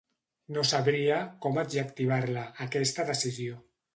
No sabria com adjectivar-la, aquesta decisió.